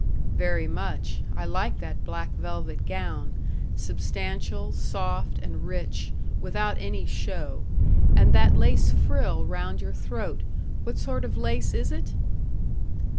"Very much: I like that black velvet gown, substantial, soft, and rich, without any show. And that lace frill round your throat what sort of lace is it?"